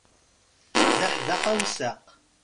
D aḥdaq awsaq.